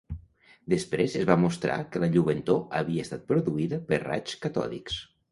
Després es va mostrar que la lluentor havia estat produïda per raigs catòdics.